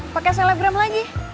pakai selebrem lagi